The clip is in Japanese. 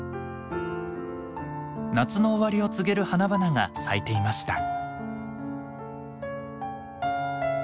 夏の終わりを告げる花々が咲いていました。